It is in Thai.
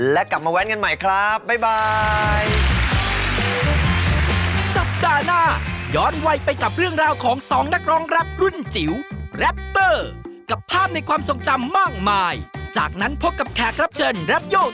และกลับมาแว้นกันใหม่ครับบ๊ายบาย